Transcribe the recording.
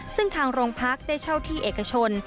ซึ่งทางโรงพักได้เช่าที่เอกชน